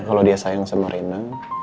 kalau dia sayang sama reina